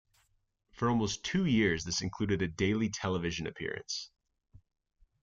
For almost two years this included a daily television appearance.